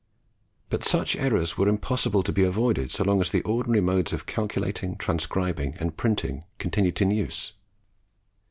But such errors were impossible to be avoided so long as the ordinary modes of calculating, transcribing, and printing continued in use.